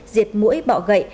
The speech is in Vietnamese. diệt mũi bọ gậy